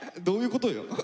どういうことよ。